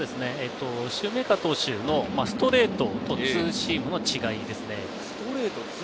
シューメーカー投手のストレートとツーシームの違いですね。